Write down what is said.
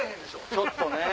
ちょっとね。